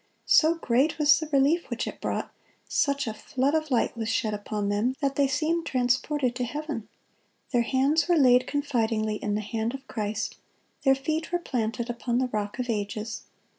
So great was the relief which it brought, such a flood of light was shed upon them, that they seemed transported to heaven. Their hands were laid confidingly in the hand of Christ; their feet were planted upon the Rock of Ages.